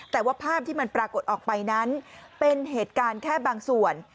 แต่ว่าภาพที่มันปรากฏออกไปนั้นเป็นเหตุการณ์แค่บางส่วน